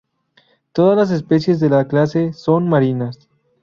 Todas las especies de la clase son marinas.